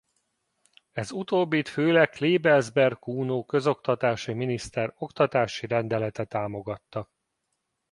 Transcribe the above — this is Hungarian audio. Ez utóbbit főleg Klebelsberg Kuno közoktatási miniszter oktatási rendelete támogatta.